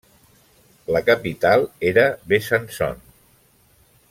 La capital era Besançon.